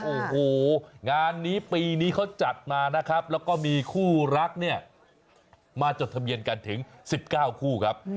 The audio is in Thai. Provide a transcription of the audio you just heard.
โอ้โหงานนี้ปีนี้เขาจัดมานะครับแล้วก็มีคู่รักเนี่ยมาจดทะเบียนกันถึง๑๙คู่ครับ